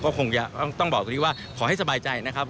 ก็คงต้องบอกว่าขอให้สบายใจนะครับ